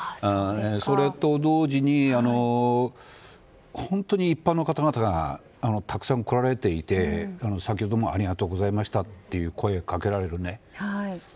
それと同時に本当に一般の方々がたくさん来られていて、先ほどもありがとうございましたという声をかけられると。